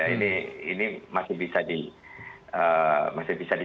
ini masih bisa dicatat